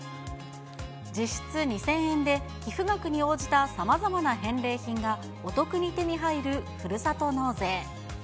実質、２０００円で寄付額に応じたさまざまな返礼品がお得に手に入るふるさと納税。